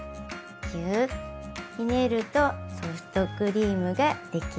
ギューひねるとソフトクリームが出来上がり。